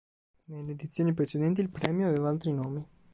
Nelle edizioni precedenti il premio aveva altri nomi.